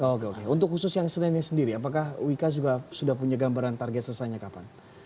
oke untuk khusus yang senennya sendiri apakah wika sudah punya gambaran target selesainya kapan